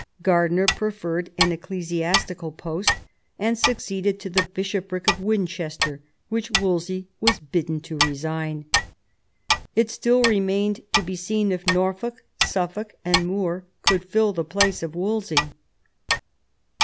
Grardiner preferred an ecclesiastical post^ and succeeded to the bishopric of Winchester, which Wolsey was bidden to resign. It still remained to be seen if Norfolk, Suffolk, and More could fill the place of Wolsey.